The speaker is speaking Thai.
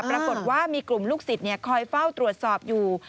ปรากฏว่ามีกลุ่มลูกศิษย์คอยเฝ้าตรวจสอบอยู่